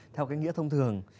theo cái nghĩa thông thường